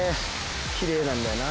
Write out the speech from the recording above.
きれいなんだよな